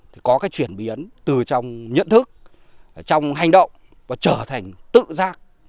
thì có cái chuyển biến từ trong nhận thức trong hành động và trở thành tự giác